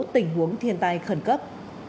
tình huống thiên tai khẩn cấp